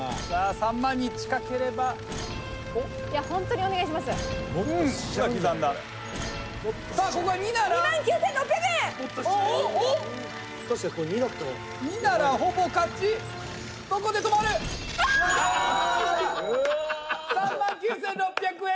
３万９６００円。